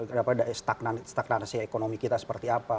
kenapa ada stagnansi ekonomi kita seperti apa